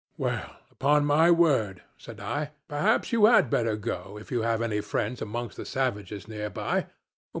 'Well, upon my word,' said I, 'perhaps you had better go if you have any friends amongst the savages near by.'